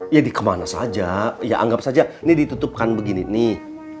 ya dikemana saja ya anggap saja ini ditutupkan begini nih